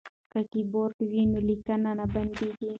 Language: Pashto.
که کیبورډ وي نو لیکل نه بندیږي.